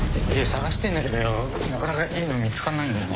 探してんだけどよなかなかいいの見つかんないんだよ。